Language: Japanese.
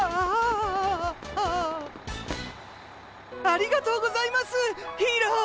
ありがとうございますヒーロー。